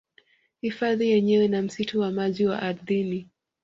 Hifadhi yenyewe na msitu wa maji wa ardhini